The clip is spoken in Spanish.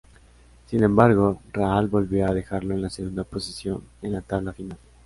Sin embargo, Rahal volvió a dejarlo en la segunda posición en la tabla final.